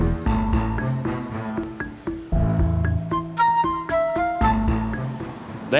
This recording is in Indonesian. terima kasih bang